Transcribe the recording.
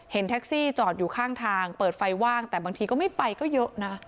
แท็กซี่จอดอยู่ข้างทางเปิดไฟว่างแต่บางทีก็ไม่ไปก็เยอะนะ